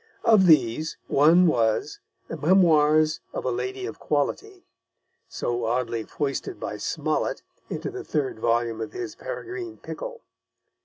Of these one was The Memoirs of a Lady of Quality, so oddly foisted by Smollett into the third volume of his Peregrine Pickle.